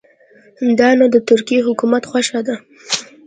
دا نو د ترکیې د حکومت خوښه ده.